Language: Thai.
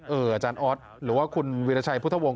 อาจารย์ออสหรือว่าคุณวิรชัยพุทธวงศ